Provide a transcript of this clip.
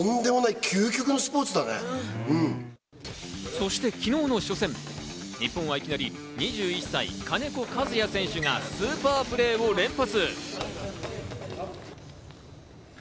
そして昨日の初戦、日本はいきなり２１歳、金子和也選手がスーパープレーを連発！